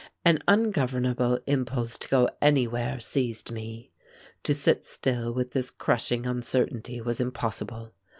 An ungovernable impulse to go anywhere seized me. To sit still with this crushing uncertainty was impossible.